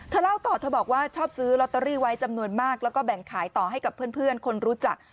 เล่าต่อเธอบอกว่าชอบซื้อลอตเตอรี่ไว้จำนวนมากแล้วก็แบ่งขายต่อให้กับเพื่อนคนรู้จัก